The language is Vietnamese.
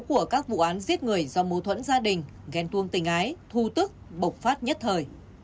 của các vụ án giết người do mâu thuẫn gia đình ghen tuông tình ái thu tức bộc phát nhất thời